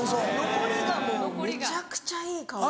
残り香もめちゃくちゃいい香り。